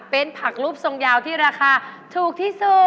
เป็นผักรูปทรงยาวที่ราคาถูกที่สุด